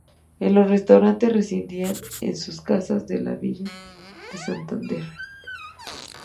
En los restantes residían en sus casas de la villa de Santander.